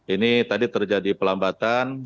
ini tadi terjadi pelambatan